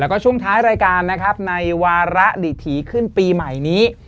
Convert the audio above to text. แล้วก็ช่วงท้ายรายการนะครับในวาระดิถีขึ้นปีใหม่นี้